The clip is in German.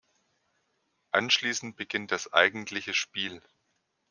Anschließend beginnt das eigentliche Spiel.